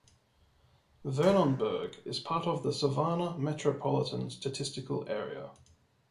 Vernonburg is part of the Savannah Metropolitan Statistical Area.